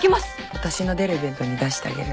私の出るイベントに出してあげる。